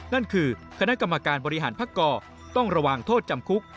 นั่นคือคณะกรรมการบริหารพักกรต้องระวังโทษจำคุก